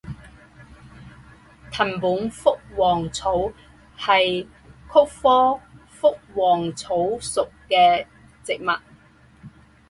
藤本福王草是菊科福王草属的植物。